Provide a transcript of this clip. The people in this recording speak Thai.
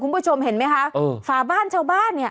คุณผู้ชมเห็นไหมคะเออฝาบ้านชาวบ้านเนี่ย